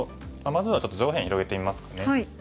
まずはちょっと上辺広げてみますかね。